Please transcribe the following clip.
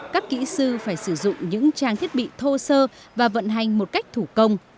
các kỹ sư phải sử dụng những trang thiết bị thô sơ và vận hành một cách thủ công